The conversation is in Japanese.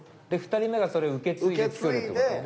で２人目がそれを受け継いで。受け継いで。